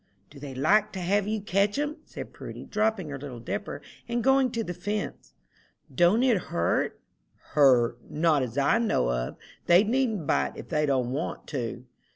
"Do they like to have you catch 'em?" said Prudy, dropping her little dipper, and going to the fence; "don't it hurt?" "Hurt? Not as I know of. They needn't bite if they don't want to."